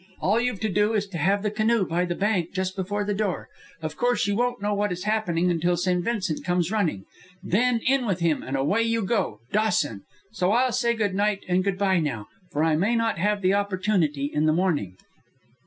All you've to do is to have the canoe by the bank just before the door. Of course, you won't know what is happening until St. Vincent comes running. Then in with him, and away you go Dawson! So I'll say good night and good by now, for I may not have the opportunity in the morning."